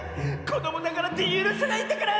こどもだからってゆるせないんだから！